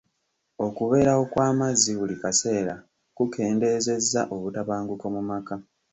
Okubeerawo kw'amazzi buli kaseera kukendeezezza obutabanguko mu maka.